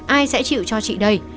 ai sẽ chịu cho chị đây